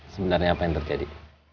sebenarnya apa yang terjadi